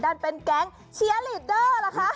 นั่นเป็นแก๊งเชียร์ลีดเดอร์ล่ะคะ